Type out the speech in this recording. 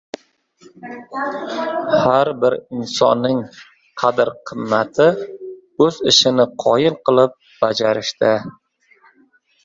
Har bir insonning qadr-qimmati o‘z ishini qoyil qilib bajarishida.